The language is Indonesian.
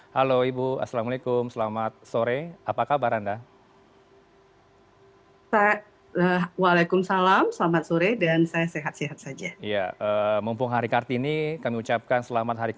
halo ibu assalamualaikum selamat sore